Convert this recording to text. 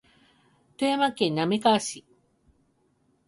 富山県滑川市